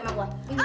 mak tunggu mak